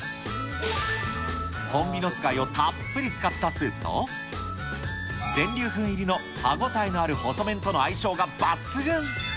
ホンビノス貝をたっぷり使ったスープと、全粒粉入りの歯応えのある細麺との相性が抜群。